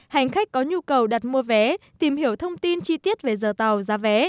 hành khách có nhu cầu đặt mua vé tìm hiểu thông tin chi tiết về giờ tàu giá vé